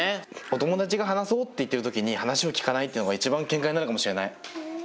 お友達が話そうって言ってるときに話を聴かないっていうのがいちばんけんかになるかもしれない。